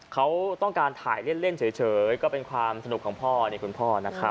เขาต้องการถ่ายเล่นเฉยก็เป็นความสนุกของพ่อนี่คุณพ่อนะครับ